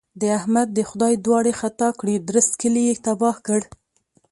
د احمد دې خدای دواړې خطا کړي؛ درست کلی يې تباه کړ.